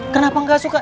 kenapa gak suka